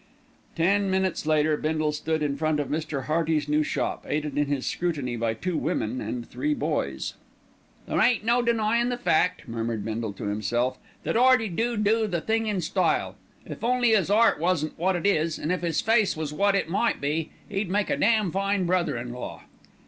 Ten minutes later Bindle stood in front of Mr. Hearty's new shop, aided in his scrutiny by two women and three boys. "There ain't no denying the fact," murmured Bindle to himself, "that 'Earty do do the thing in style. If only 'is 'eart wasn't wot it is, an' if 'is face was wot it might be, 'e'd make a damn fine brother in law."